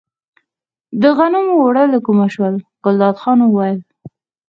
د غنمو اوړه له کومه شول، ګلداد خان وویل.